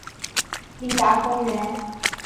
立达公园。